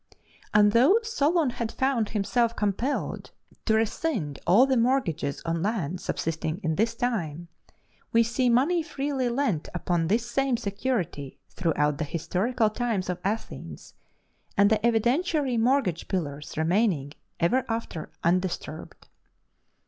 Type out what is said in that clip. And though Solon had found himself compelled to rescind all the mortgages on land subsisting in his time, we see money freely lent upon this same security throughout the historical times of Athens, and the evidentiary mortgage pillars remaining ever after undisturbed.